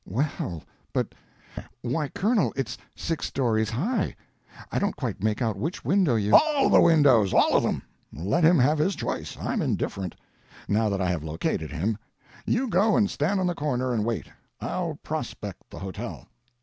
"Well, but—why, Colonel, it's six stories high. I don't quite make out which window you—" "All the windows, all of them. Let him have his choice—I'm indifferent, now that I have located him. You go and stand on the corner and wait; I'll prospect the hotel."